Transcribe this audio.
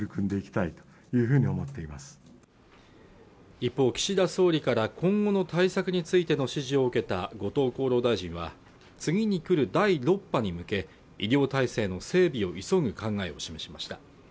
一方岸田総理から今後の対策についての指示を受けた後藤厚労大臣は次にくる第６波に向け医療体制の整備を急ぐ考えを示しました